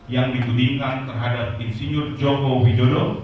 yang ditudingkan terhadap insinyur jombogidodo